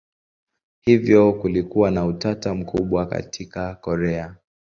Hivyo kulikuwa na utata mkubwa katika Korea.